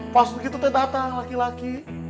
pas begitu teh datang laki laki